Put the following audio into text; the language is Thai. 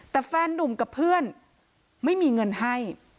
แต่แฟนนุ่มกับเพื่อนไม่มีเงินให้